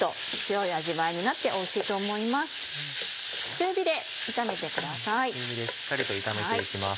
中火でしっかり炒めて行きます。